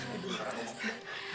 alhamdulillah mas iba